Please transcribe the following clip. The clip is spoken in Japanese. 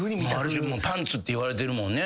ある種パンツっていわれてるもんね。